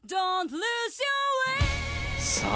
さあ